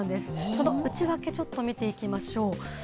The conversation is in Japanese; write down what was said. この内訳、ちょっと見ていきましょう。